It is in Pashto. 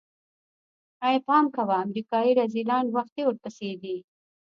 ای پام کوه امريکايي رذيلان وختي ورپسې دي.